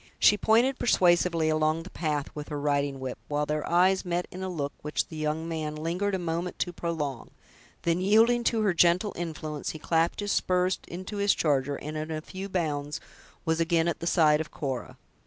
She pointed persuasively along the path with her riding whip, while their eyes met in a look which the young man lingered a moment to prolong; then, yielding to her gentle influence, he clapped his spurs into his charger, and in a few bounds was again at the side of Cora.